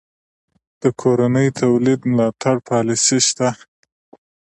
د کورني تولید ملاتړ پالیسي شته؟